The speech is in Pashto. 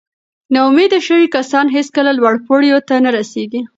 ناامیده شوي کسان هیڅکله لوړو پوړیو ته نه رسېږي.